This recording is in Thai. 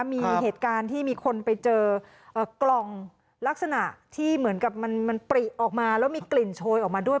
มีเหตุการณ์ที่มีคนไปเจอกล่องลักษณะที่เหมือนกับมันปริออกมาแล้วมีกลิ่นโชยออกมาด้วย